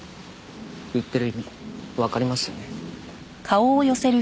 言ってる意味わかりますよね？